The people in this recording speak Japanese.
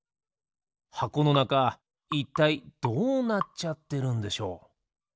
はこのなかいったいどうなっちゃってるんでしょう？